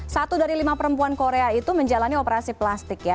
satu dari lima perempuan korea itu menjalani operasi plastik ya